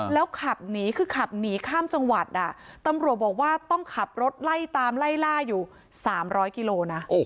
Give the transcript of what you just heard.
แล้วขับหนีคือขับหนีข้ามจังหวัดตำรวจบอกว่าต้องขับรถไล่ตามไล่ล่าอยู่๓๐๐กิโลนะ